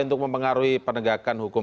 untuk mempengaruhi penegakan hukum